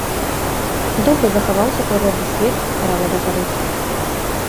Добра захаваўся прыродны свет каралавага рыфу.